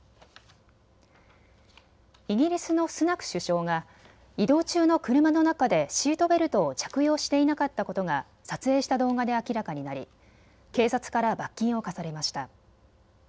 イギリスのスナク首相が移動中の車の中でシートベルトを着用していなかったことが撮影した動画で明らかになり警察から罰金を科されました。